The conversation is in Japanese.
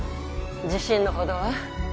自信のほどは？